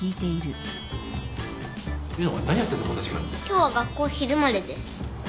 今日は学校昼までです。